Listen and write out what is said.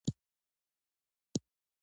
د وطن هر یوه پټکي ته مې سلام دی.